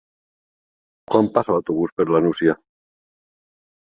Quan passa l'autobús per la Nucia?